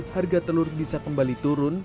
harga telur bisa kembali turun